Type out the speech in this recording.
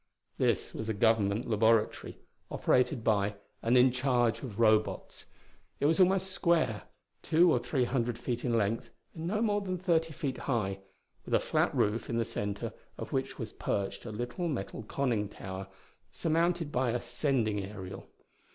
This was a Government laboratory, operated by and in charge of Robots. It was almost square: two or three hundred feet in length and no more than thirty feet high, with a flat roof in the center of which was perched a little metal conning tower surmounted by a sending aerial.